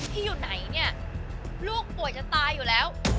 ที่อยู่ไหนเนี่ยลูกป่วยจะตายอยู่แล้ว